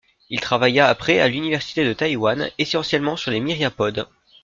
Il travailla après à l’université de Taïwan, essentiellement sur les myriapodes.